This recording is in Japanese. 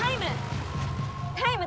タイム！